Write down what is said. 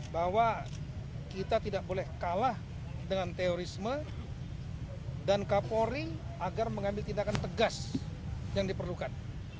bahwa kita tidak boleh kalah dengan teorisme dan kapolri agar mengambil tindakan tegas yang diperlukan